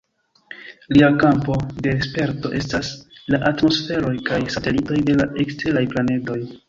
Lia kampo de sperto estas la atmosferoj kaj satelitoj de la eksteraj planedoj.